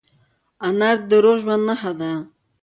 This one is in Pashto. انار د روغ ژوند نښه ده.